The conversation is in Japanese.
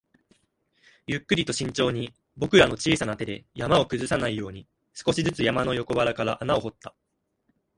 ゆっくりと慎重に、僕らの小さな手で山を崩さないように、少しずつ山の横腹から穴を掘った